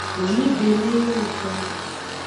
Nunibe ne yong can.